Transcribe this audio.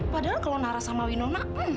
padahal kalau nara sama winona